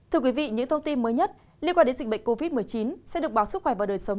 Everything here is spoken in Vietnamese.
thưa quý vị những thông tin mới nhất liên quan đến dịch bệnh covid một mươi chín sẽ được báo sức khỏe và đời sống